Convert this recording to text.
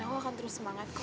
dan aku akan terus semangat kak